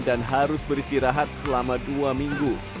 dan harus beristirahat selama dua minggu